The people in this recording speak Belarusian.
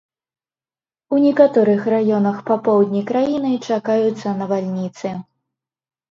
У некаторых раёнах па поўдні краіны чакаюцца навальніцы.